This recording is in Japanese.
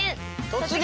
「突撃！